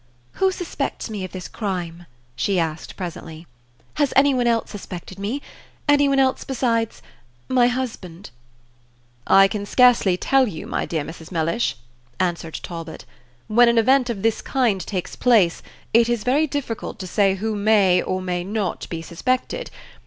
"Who suspects me of this crime?" she said, presently. "Has any one else suspected me? Any one besides my husband?" "I can scarcely tell you, my dear Mrs. Mellish," answered Talbot; "when an event of this kind takes place, it is very difficult to say who may or may not be suspected.